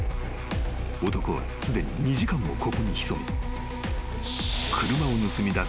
［男はすでに２時間もここに潜み］